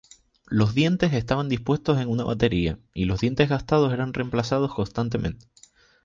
Los dientes estaban dispuestos en una batería, y los dientes gastados eran reemplazados constantemente.